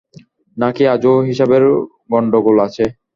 নাকি আজও হিসাবের গণ্ডগোল আছে?